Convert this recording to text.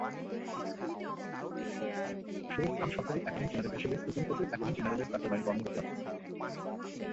সোয়েব খান সহকারী attorney general হিসেবে supreme কোর্টের অ্যাটর্নি জেনারেলের কার্যালয়ে কর্মরত আছেন।